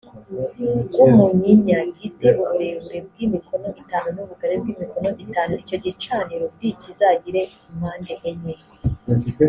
bw umunyinya gi te uburebure bw imikono itanu n ubugari bw imikono itanu icyo gicaniro b kizagire impande enye